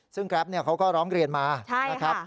ซึ่งกรัปเนี่ยเขาก็ร้องเรียนมาใช่ฮะ